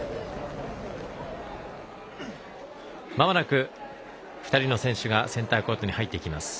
まもなく２人の選手がセンターコートに入っていきます。